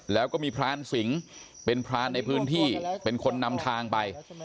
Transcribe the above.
แล้วก็มีพรานสิงเป็นพรานในพื้นที่เป็นคนนำทางไป